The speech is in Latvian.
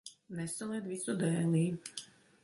Nesalaid visu dēlī.